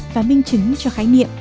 và minh chứng cho khái niệm